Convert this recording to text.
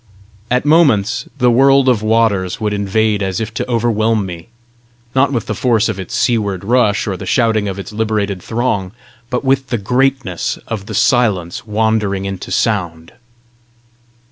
At moments the world of waters would invade as if to overwhelm me not with the force of its seaward rush, or the shouting of its liberated throng, but with the greatness of the silence wandering into sound.